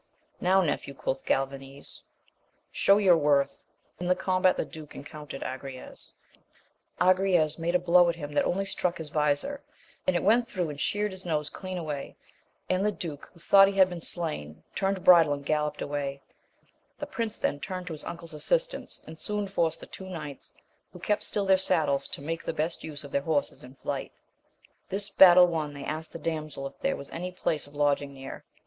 Now nephew, quoth Galvanes, show your worth ! In the combat the duke encountered Agrayes ; Agrayes made a blow at him that only struck his vizor, but it went through and sheski'^d \i\^ wa^^ ^<^'«s>l &way; and the duke, who t\ioug\i\, \v& \iSi^\i^^\jL ^ssseci..^ 108 AMADIS OF GAUL, turned bridle and galloped away. The prince then turned to his uncle's assistance, and soon forced the two knights, who still kept their saddles, to make the best use of their horses in flight. This battle won,' they asked the damsel if there was any place of lodging near.